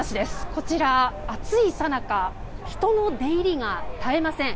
こちら、暑いさなか人の出入りが絶えません。